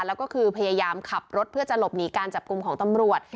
แล้วก็คือพยายามขับรถเพื่อจะหลบหนีการจับกลุ่มของตำรวจ